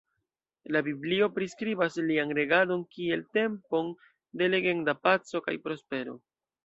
La biblio priskribas lian regadon kiel tempon de legenda paco kaj prospero.